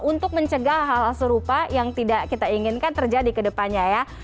untuk mencegah hal serupa yang tidak kita inginkan terjadi ke depannya ya